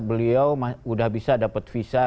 beliau sudah bisa dapat visa